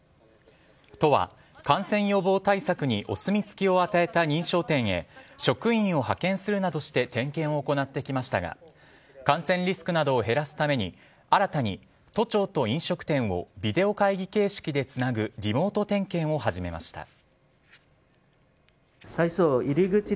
都は感染予防対策にお墨付きを与えた認証店へ職員を派遣するなどして点検を行ってきましたが感染リスクなどを減らすために新たに都庁と飲食店をビデオ会議形式でつなぐリモート点検を始めました。